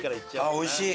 おいしい？